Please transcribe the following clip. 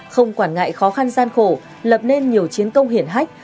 không quản ngại khó khăn gian khổ lập nên nhiều chiến công hiển hách